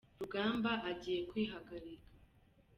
rugamba agiye kwihagarika.